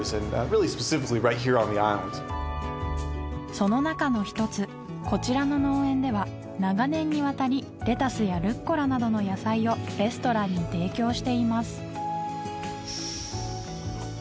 その中の一つこちらの農園では長年にわたりレタスやルッコラなどの野菜をレストランに提供しています